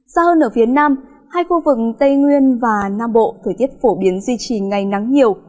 xa hơn ở phía nam hai khu vực tây nguyên và nam bộ thời tiết phổ biến duy trì ngày nắng nhiều